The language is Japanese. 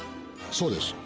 そうです。